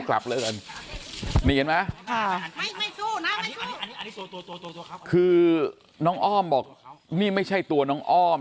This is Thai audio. กลับเลยกันนี่เห็นไหมคือน้องอ้อมบอกนี่ไม่ใช่ตัวน้องอ้อม